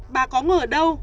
bà có ngờ ở đâu